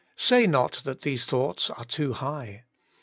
Say not that these thoughts are too high.